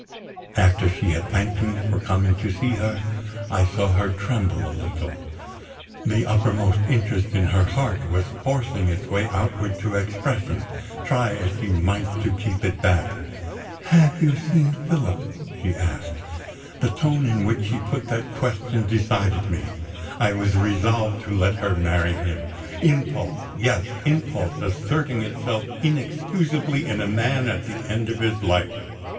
After she had thanked me for coming to see her, I saw her tremble a little. The uppermost interest in her heart was forcing its way outward to expression, try as she might to keep it back. "Have you seen Philip?" she asked. The tone in which she put that question decided me I was resolved to let her marry him. Impulse! Yes, impulse, asserting itself inexcusably in a man at the end of his life.